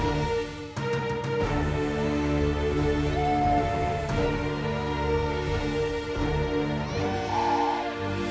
kamu lagi ke atoms